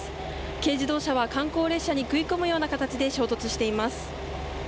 軽自動車は観光列車に食い込むような形で衝突しています。